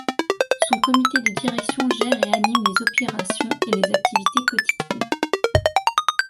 Son comité de direction gère et anime les opérations et les activités quotidiennes.